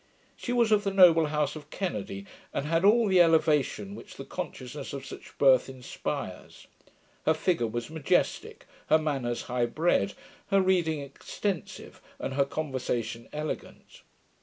She was of the noble house of Kennedy, and had all the elevation which the consciousness of such birth inspires. Her figure was majestick, her manners high bred, her reading extensive, and her conversation elegant.